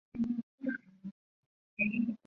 第二天李就被下放到小联盟。